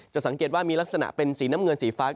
สังเกตว่ามีลักษณะเป็นสีน้ำเงินสีฟ้า